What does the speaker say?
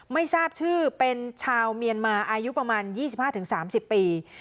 ไม่ทราบชื่อเป็นชาวเมียนมาอายุประมาณ๒๕๓๐ปี